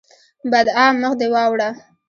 بدعا: مخ دې واوړه!